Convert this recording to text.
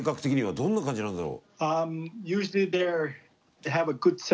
どんな感じなんだろう。